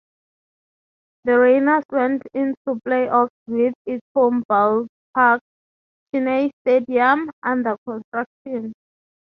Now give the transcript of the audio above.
The Rainiers went into playoffs with its home ballpark, Cheney Stadium, under construction.